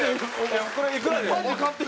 これいくらで？